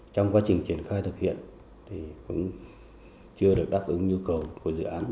trong quá trình triển khai thực hiện thì cũng chưa được đáp ứng nhu cầu của dự án